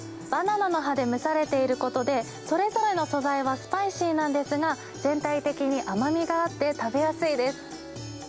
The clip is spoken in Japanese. バナナの葉で蒸されていることで、それぞれの素材はスパイシーなんですが、全体的に甘みがあって食べやすいです。